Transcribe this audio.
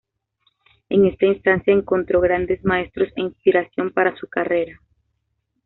En esta instancia encontró grandes maestros e inspiración para su carrera.